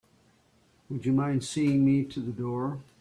Would you mind seeing me to the door?